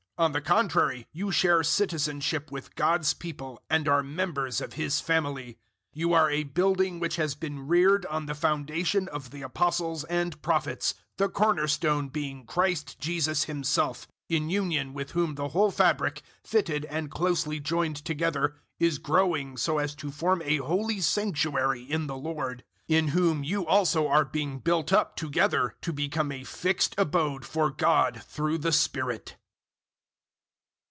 On the contrary you share citizenship with God's people and are members of His family. 002:020 You are a building which has been reared on the foundation of the Apostles and Prophets, the cornerstone being Christ Jesus Himself, 002:021 in union with whom the whole fabric, fitted and closely joined together, is growing so as to form a holy sanctuary in the Lord; 002:022 in whom you also are being built up together to become a fixed abode for God through the Spirit.